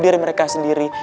dari mereka sendiri